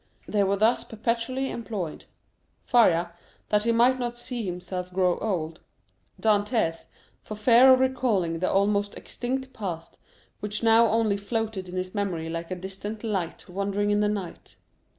They were thus perpetually employed,—Faria, that he might not see himself grow old; Dantès, for fear of recalling the almost extinct past which now only floated in his memory like a distant light wandering in the night.